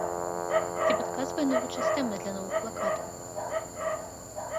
Ці падказвае новы час тэмы для новых плакатаў?